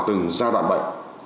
từng giai đoạn bệnh